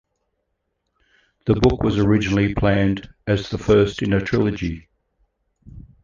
The book was originally planned as the first in a trilogy.